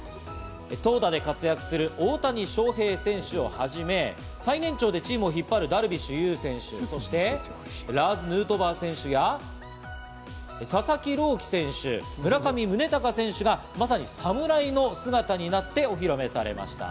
投打で活躍する大谷翔平選手をはじめ、最年長でチームを引っ張るダルビッシュ有選手、そしてラーズ・ヌートバー選手や、佐々木朗希選手、村上宗隆選手がまさに侍の姿になってお披露目されました。